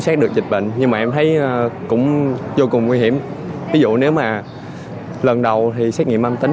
xét được dịch bệnh nhưng mà em thấy cũng vô cùng nguy hiểm ví dụ nếu mà lần đầu thì xét nghiệm âm tính